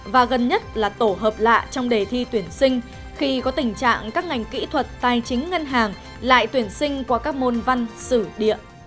và gần nhất là tổ hợp lạ trong đề thi tuyển sinh khi có tình trạng các ngành kỹ thuật tài chính ngân hàng lại tuyển sinh qua các môn văn sử địa